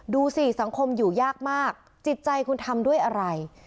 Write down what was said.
ดูสิสังคมอยู่ยากมากจิตใจคุณทำด้วยอะไร